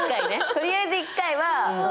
取りあえず一回は。